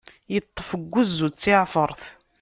Iṭṭef deg wuzzu d tiɛfeṛt.